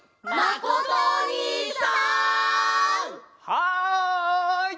はい！